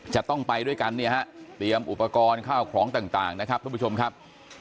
จะต้องไปด้วยกันเนี่ยฮะเตรียมอุปกรณ์ข้าวของต่างนะครับทุกผู้ชมครับ